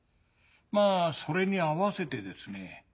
まぁそれに合わせてですね